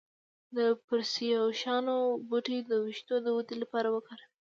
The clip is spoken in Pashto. د پرسیاوشان بوټی د ویښتو د ودې لپاره وکاروئ